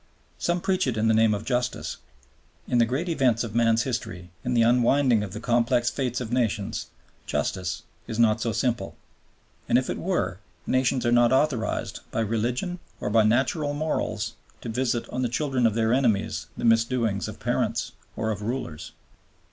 Some preach it in the name of Justice. In the great events of man's history, in the unwinding of the complex fates of nations Justice is not so simple. And if it were, nations are not authorized, by religion or by natural morals, to visit on the children of their enemies the misdoings of parents or of rulers.